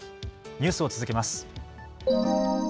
ニュースを続けます。